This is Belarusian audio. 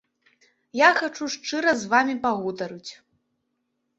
Я хачу шчыра з вамі пагутарыць.